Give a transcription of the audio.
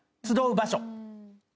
集う場所。